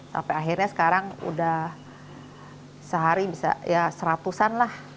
sampai akhirnya sekarang sudah sehari bisa rp seratus lah